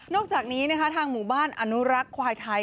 อกจากนี้นะคะทางหมู่บ้านอนุรักษ์ควายไทย